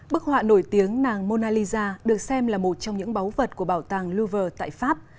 bức họa nổi tiếng nàng monaliza được xem là một trong những báu vật của bảo tàng louvre tại pháp